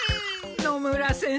野村先生。